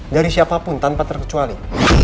dari siapapun tanpa terkecuali